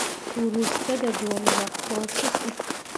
وروسته د ډول غږ پورته شو